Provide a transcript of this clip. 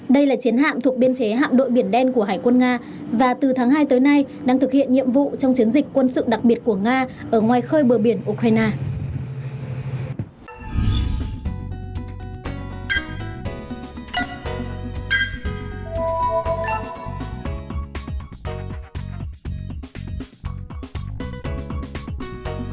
đây là chiến hạm thuộc biên chế hạm đội biển đen của hải quân nga và từ tháng hai tới nay đang thực hiện nhiệm vụ trong chiến dịch quân sự đặc biệt của nga ở ngoài khơi bờ biển ukraine